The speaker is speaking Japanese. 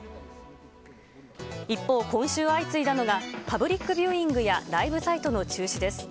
一方、今週相次いだのが、パブリックビューイングやライブサイトの中止です。